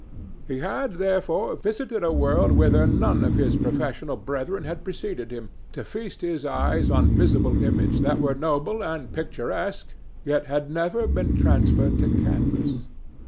He had, therefore, visited a world whither none of his professional brethren had preceded him, to feast his eyes on visible images that were noble and picturesque, yet had never been transferred to canvas.